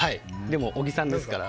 でも小木さんですから。